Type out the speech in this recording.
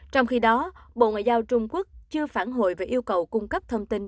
trong khi đó bộ ngoại giao trung quốc chưa phản hồi về yêu cầu cung cấp thông tin